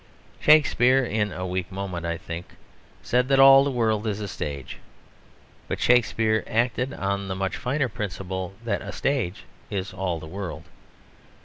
Shakespeare (in a weak moment, I think) said that all the world is a stage. But Shakespeare acted on the much finer principle that a stage is all the world.